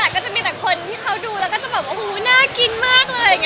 แต่ก็จะมีแต่คนที่เขาดูแล้วก็จะแบบโอ้โหน่ากินมากเลย